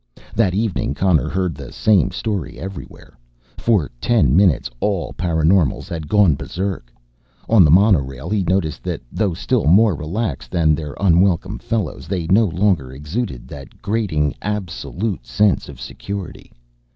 That evening Connor heard the same story everywhere for ten minutes all paraNormals had gone berserk. On the monorail he noticed that, though still more relaxed than their unwelcome fellows, they no longer exuded that grating absolute sense of security.